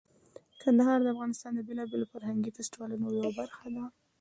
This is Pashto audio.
کندهار د افغانستان د بیلابیلو فرهنګي فستیوالونو یوه برخه ده.